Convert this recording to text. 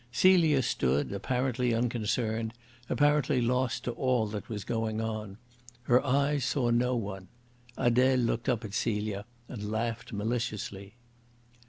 Celia stood apparently unconcerned, apparently lost to all that was going on. Her eyes saw no one. Adele looked up at Celia, and laughed maliciously.